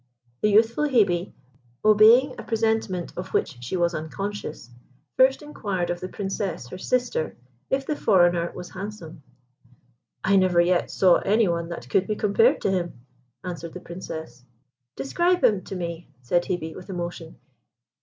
The youthful Hebe, obeying a presentiment of which she was unconscious, first inquired of the Princess, her sister, if the foreigner was handsome. "I never yet saw any one that could be compared to him," answered the Princess. "Describe, him to me," said Hebe, with emotion.